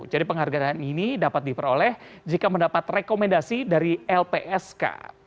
jadi penghargaan ini dapat diperoleh jika mendapat rekomendasi dari lpsk